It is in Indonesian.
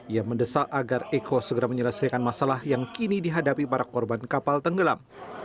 ia mendesak agar eko segera menyelesaikan masalah yang kini dihadapi para korban kapal tenggelam